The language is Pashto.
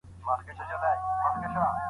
د بل واده کولو مصارف د چا پر غاړه دي؟